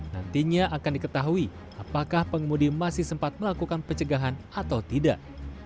nantinya akan diketahui apakah pengemudi masih sempat melakukan pencegahan atau tidak